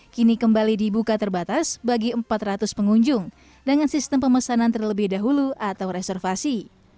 kini kembali dibuka terbatas bagi empat ratus pengunjung dengan sistem pemesanan terlebih dahulu atau reservasi